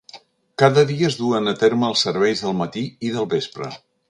Cada dia es duen a terme els serveis del matí i del vespre.